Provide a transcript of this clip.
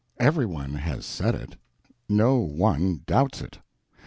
Every one has said it, no one doubts it.